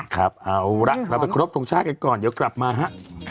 ครับเอาละเราไปครบทรงชาติกันก่อนเดี๋ยวกลับมาฮะ